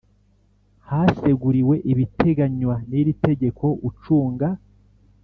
Haseguriwe ibiteganywa n iri tegeko ucunga